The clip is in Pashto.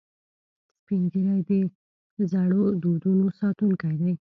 سپین ږیری د زړو دودونو ساتونکي دي